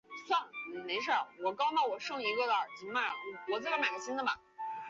后于光绪二十九年祠。